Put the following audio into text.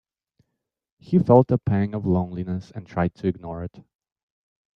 He felt a pang of loneliness and tried to ignore it.